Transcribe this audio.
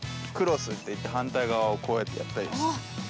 スっていって、反対側をこうやってやったりして。